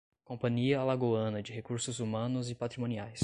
Companhia Alagoana de Recursos Humanos e Patrimoniais